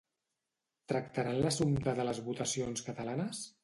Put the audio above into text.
Tractaran l'assumpte de les votacions catalanes?